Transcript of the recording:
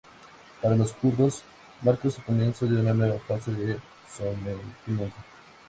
Para los kurdos, marcó el comienzo de una nueva fase de sometimiento.